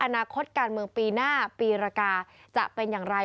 อนาคตการเมืองปีหน้าปีรกาจะเป็นอย่างไร